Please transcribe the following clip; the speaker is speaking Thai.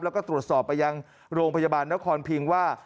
แล้วก็ตรวจสอบไปยังโรงพยาบาลนครพิงว่า